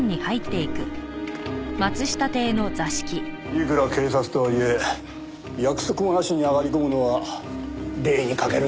いくら警察とはいえ約束もなしに上がり込むのは礼に欠けるんじゃないのかな？